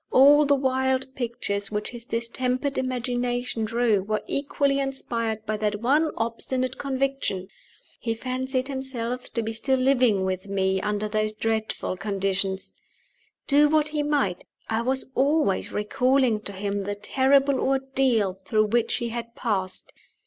All the wild pictures which his distempered imagination drew were equally inspired by that one obstinate conviction. He fancied himself to be still living with me under those dreaded conditions. Do what he might, I was always recalling to him the terrible ordeal through which he had passed.